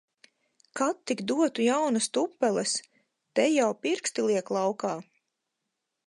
Ka tik dotu jaunas tupeles! Te jau pirksti liek laukā.